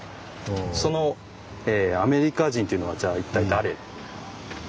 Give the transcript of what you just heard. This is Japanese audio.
そのアメリカ人っていうのはじゃあ一体誰？